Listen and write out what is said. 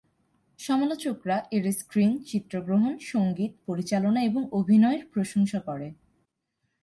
সমালোচকরা এর স্ক্রিন, চিত্রগ্রহণ, সঙ্গীত, পরিচালনা এবং অভিনয়ের প্রশংসা করে।